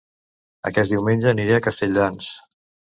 Aquest diumenge aniré a Castelldans